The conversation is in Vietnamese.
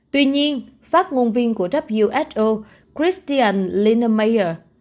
tuy nhiên phát ngôn viên của who christian lindemeyer